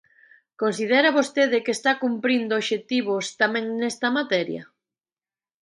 ¿Considera vostede que está cumprindo obxectivos tamén nesta materia?